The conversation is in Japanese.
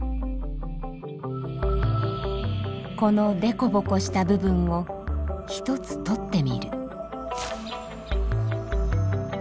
このでこぼこした部分を１つ取ってみる。